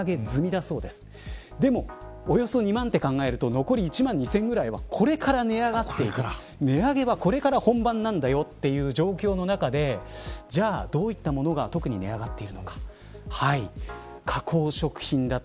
残り１万２０００ぐらいはこれから値上がっていく値上げは、これから本番なんだよという状況の中でじゃあ、どういったものが特に値上がっているのか。